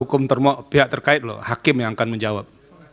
hukum pihak terkait loh hakim yang akan menjawab